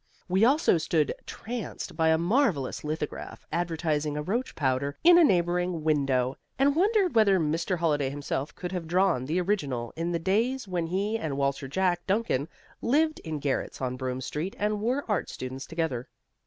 We also stood tranced by a marvellous lithograph advertising a roach powder in a neighbouring window, and wondered whether Mr. Holliday himself could have drawn the original in the days when he and Walter Jack Duncan lived in garrets on Broome Street and were art students together.